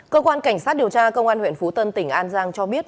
cơ quan cảnh sát điều tra công an huyện phú tân tỉnh an giang cho biết